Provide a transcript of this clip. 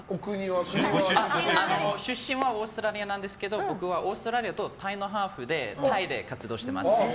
出身はオーストラリアなんですけど僕はオーストラリアとタイのハーフでタイで活動してます。